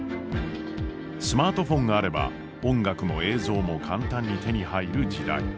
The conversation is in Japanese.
スマートフォンがあれば音楽も映像も簡単に手に入る時代。